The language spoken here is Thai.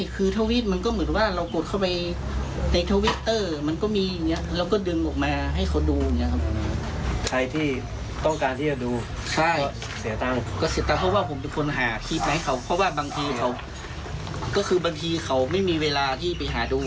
เพราะว่าบางทีเขาไม่มีเวลาที่ไปหาดู